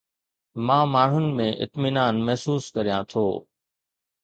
مان ماڻهن ۾ اطمينان محسوس ڪريان ٿو